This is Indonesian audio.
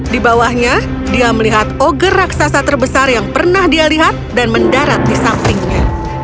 di bawahnya dia melihat oger raksasa terbesar yang pernah dia lihat dan mendarat di sampingnya